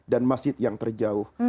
dan masjid yang terjauh